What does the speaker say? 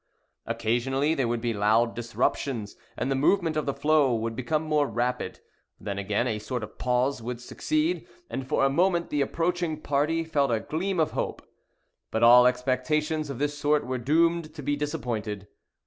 Occasionally there would be loud disruptions, and the movement of the floe would become more rapid; then, again, a sort of pause would succeed, and for a moment the approaching party felt a gleam of hope. But all expectations of this sort were doomed to be disappointed.